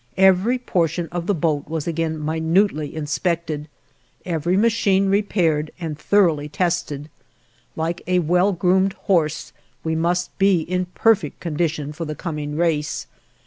Every portion of the boat was again minutely inspected, every machine repaired and thoroughly tested. Like a well groomed horse we must be in perfect condition for the coming race.